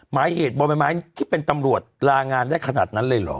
หมายเหตุบนใบไม้ที่เป็นตำรวจลางานได้ขนาดนั้นเลยเหรอ